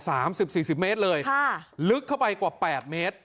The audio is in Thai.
สามสิบสี่สิบเมตรเลยค่ะลึกเข้าไปกว่าแปดเมตร